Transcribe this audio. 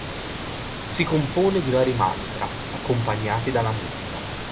Si compone di vari mantra, accompagnati dalla musica.